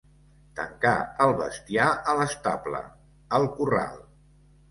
Tancar el bestiar a l'estable, al corral.